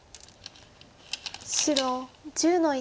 白１０の一。